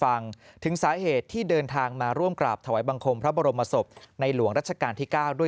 มันเป็นเวลาสำคัญที่สุดในไทย